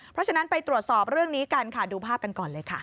เพราะฉะนั้นไปตรวจสอบเรื่องนี้กันค่ะดูภาพกันก่อนเลยค่ะ